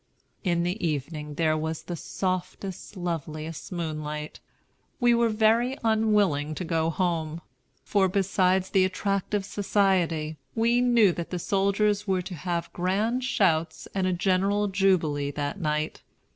In the evening there was the softest, loveliest moonlight. We were very unwilling to go home; for, besides the attractive society, we knew that the soldiers were to have grand shouts and a general jubilee that night.